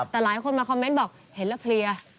แต่หลายคนมาคอมเมนต์บอกเห็นแล้วเพลีย